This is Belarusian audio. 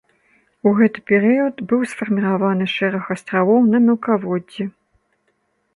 У гэты перыяд быў сфарміраваны шэраг астравоў на мелкаводдзі.